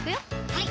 はい